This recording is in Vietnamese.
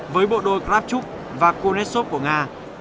với bộ đôi kravchuk và konechov của nga